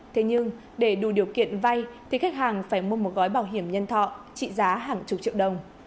thế nhưng để đủ điều kiện vay thì khách hàng phải mua một gói bảo hiểm nhân thọ trị giá hàng chục triệu đồng